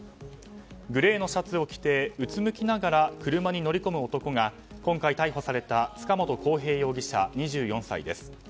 グレーのシャツを着てうつむきながら車に乗り込む男が今回逮捕された塚本晃平容疑者、２４歳です。